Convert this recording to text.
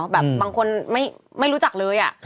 บางคนไม่รู้จักเลย